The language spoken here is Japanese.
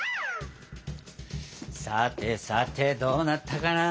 さてさてどうなったかな？